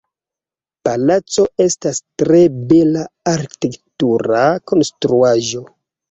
Palaco estas tre bela arkitektura konstruaĵo.